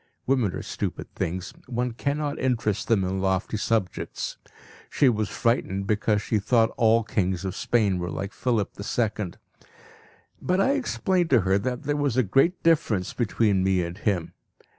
Women are stupid things; one cannot interest them in lofty subjects. She was frightened because she thought all kings of Spain were like Philip¬ÝII. But I explained to her that there was a great difference between me and him.